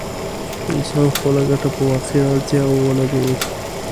انسان خپله ګټه په واقعي اړتياوو ولګوي.